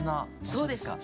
そうですね。